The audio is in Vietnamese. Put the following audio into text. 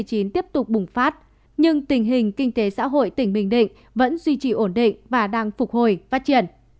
dịch covid một mươi chín tiếp tục bùng phát nhưng tình hình kinh tế xã hội tỉnh bình định vẫn duy trì ổn định và đang phục hồi phát triển